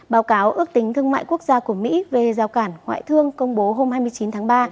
báo cáo ước tính thương mại quốc gia của mỹ về rào cản ngoại thương công bố hôm hai mươi chín tháng ba